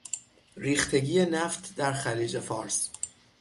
ریختگی نفت در خلیج فارس